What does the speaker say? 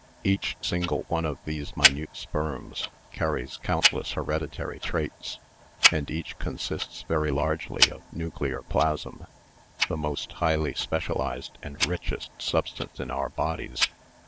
Each single one of those minute sperms carries countless hereditary traits, and each consists very largely of nuclear plasm — the most highly specialised and richest substance in our bodies.